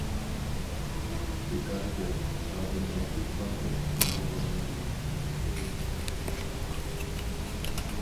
بىكار گەپ، زادى مەن ئېيتقاندەك قىلماي بولمايدۇ!